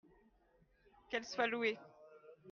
qu'elle soit louée.